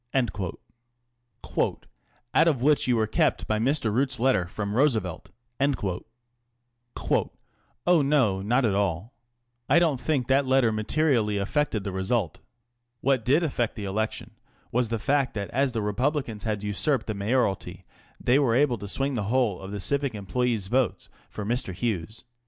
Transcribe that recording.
" Out of which you were kept by Mr. Root's letter from Roosevelt ?" ┬ŻC Oh, no ; not at all. I don't think that letter materially affected the result. What did affect the election was the fact that as the Republicans had usurped the mayoralty, they were able to swing the whole of the civic employes' votes for Mr. Hughes.